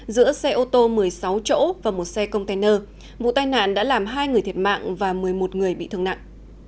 giữa xe ô tô một mươi sáu chỗ và một xe container vụ tai nạn đã làm hai người thiệt mạng và một mươi một người bị thương nặng